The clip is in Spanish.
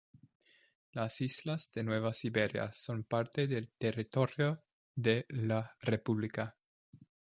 Las islas de Nueva Siberia son parte del territorio de la república.